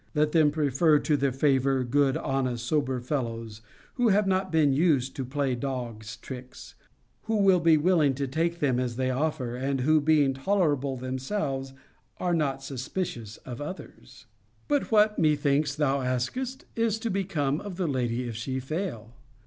Let them prefer to their favour good honest sober fellows, who have not been used to play dog's tricks: who will be willing to take them as they offer; and, who being tolerable themselves, are not suspicious of others.' But what, methinks thou askest, is to become of the lady if she fail?